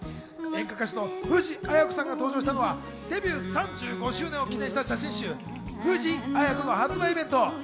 演歌歌手の藤あや子さんが登場したのはデビュー３５周年を記念した写真集、『ＦＵＪＩＡＹＡＫＯ』の発売イベント。